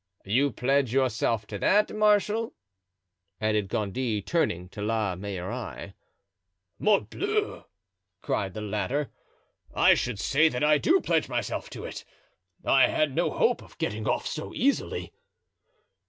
You pledge yourself to that, marshal?" added Gondy, turning to La Meilleraie. "Morbleu!" cried the latter, "I should say that I do pledge myself to it! I had no hope of getting off so easily."